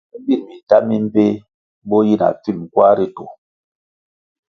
Kā birʼ minta mi mbpeh bo yi na pfim kwar ritu.